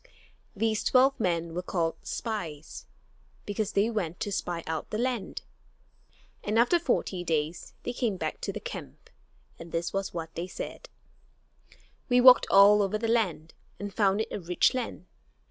These twelve men were called "spies," because they went "to spy out the land"; and after forty days they came back to the camp, and this was what they said: "We walked all over the land and found it a rich land.